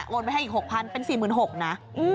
โวนไว้ให้อีก๖๐๐๐เป็น๔๖๐๐๐นะ